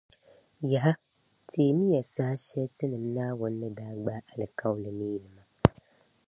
Yaha! Teemi ya saha shεli Tinim’ Naawuni ni daa gbaai alikauli ni yinima.